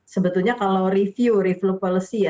sebetulnya kalau review revenue policy ya